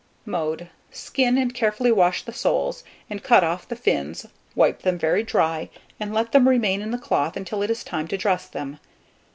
Mode. Skin and carefully wash the soles, and cut off the fins, wipe them very dry, and let them remain in the cloth until it is time to dress them.